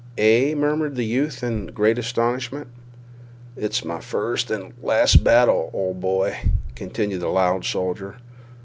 "Eh?" murmured the youth in great astonishment. "It's my first and last battle, old boy," continued the loud soldier.